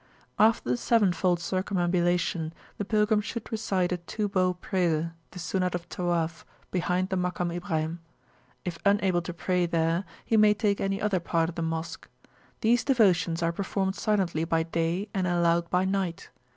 After the sevenfold circumambulation the pilgrim should recite a two bow prayer, the Sunnat of Tawaf, behind the Makam Ibrahim. If unable to pray there, he may take any other part of the Mosque. These devotions are performed silently by day and aloud by night.